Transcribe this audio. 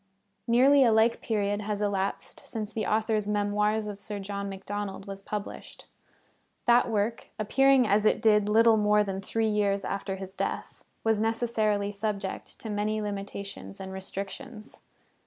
Nearly a like period has elapsed since the author's Memoirs of Sir John Macdonald was published. That work, appearing as it did little more than three years after his death, was necessarily subject to many limitations and restrictions.